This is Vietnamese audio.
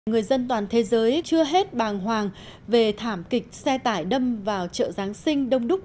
người dân toàn thế giới chưa hết bàng hoàng về thảm kịch xe tải đâm vào chợ giáng sinh đông đúc